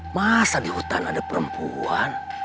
masa di hutan ada perempuan